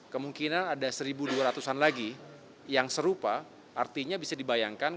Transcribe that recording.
kemungkinan ada satu dua ratus an lagi yang serupa artinya bisa dibayangkan